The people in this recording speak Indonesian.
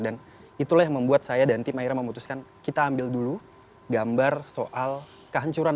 dan itulah yang membuat saya dan tim aira memutuskan kita ambil dulu gambar soal kehancuran